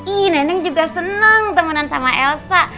iii nandang juga seneng temenan sama elsa